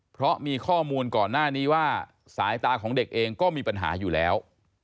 เพราะมีข้อมูลก่อนหน้านี้ว่าสายตาของเด็กเองก็มีปัญหาอยู่แล้ว